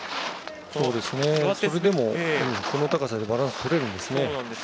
それでもこの高さでバランスとれるんですね。